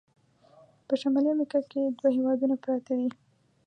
په شمالي امریکا کې دوه هیوادونه پراته دي.